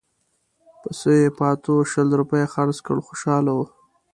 پسه یې په اتو شل روپیو خرڅ کړ خوشاله وو.